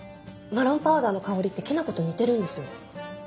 マロンパウダーの香りってきな粉と似てるんですよ。